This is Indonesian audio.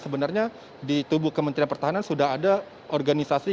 sebenarnya di tubuh kementerian pertahanan sudah ada organisasi